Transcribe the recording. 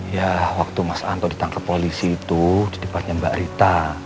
ya waktu mas anto ditangkap polisi itu di tempatnya mbak rita